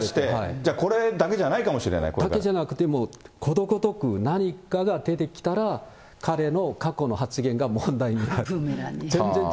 じゃあ、これだけじゃないかもしだけじゃなくても、ことごとく、何かが出てきたら、彼の過去の発言が問題になる。